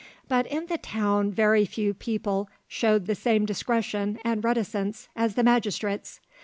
But in the town very few people showed the same discretion and reticence as the magistrates.